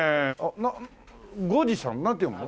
五路さん？なんて読むの？